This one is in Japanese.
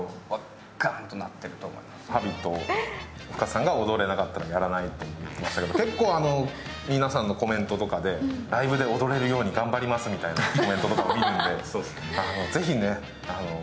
「Ｈａｂｉｔ」、Ｆｕｋａｓｅさんが踊れなかったらやらないと言っていましたけど、結構、皆さんのコメントとかでライブで踊れるように頑張りますみたいなコメントとかを見るので。